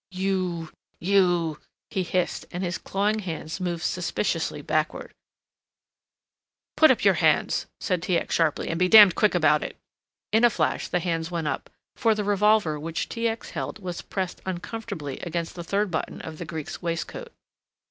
"You you " he hissed, and his clawing hands moved suspiciously backward. "Put up your hands," said T. X. sharply, "and be damned quick about it!" In a flash the hands went up, for the revolver which T. X. held was pressed uncomfortably against the third button of the Greek's waistcoat.